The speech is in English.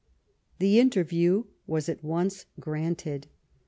The interview was at once granted.